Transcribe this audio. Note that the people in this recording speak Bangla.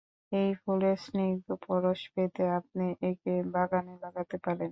এই ফুলের স্নিগ্ধ পরশ পেতে আপনি একে বাগানে লাগাতে পারেন।